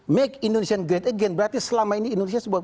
make indonesia great again berarti selama ini indonesia sudah besar lagi